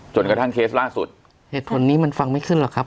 กระทั่งเคสล่าสุดเหตุผลนี้มันฟังไม่ขึ้นหรอกครับ